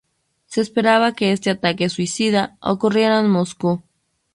Se esperaba que este ataque suicida ocurriera en Moscú.